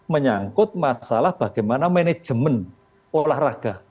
menyangkut masalah bagaimana manajemen olahraga